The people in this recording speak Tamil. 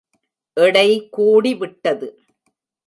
எடை கூடி விட்டது.